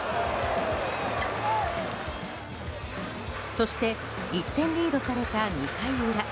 そして１点リードされた２回裏。